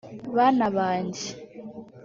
“Bana banjye